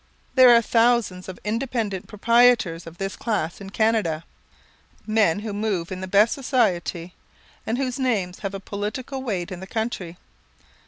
There are thousands of independent proprietors of this class in Canada men who move in the best society, and whose names have a political weight in the country.